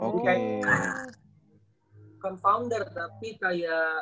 bukan founder tapi kayak